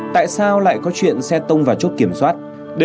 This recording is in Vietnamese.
tại sao lại có chuyện xe tông vào chốt kiểm soát